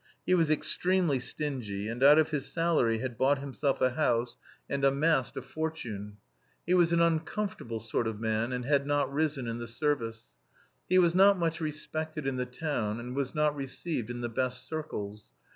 He was extremely stingy, and out of his salary had bought himself a house and amassed a fortune. He was an uncomfortable sort of man, and had not been in the service. He was not much respected in the town, and was not received in the best circles.